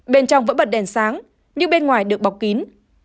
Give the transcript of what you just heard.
bên trong vẫn bật đèn sáng nhưng bên ngoài được bọc kín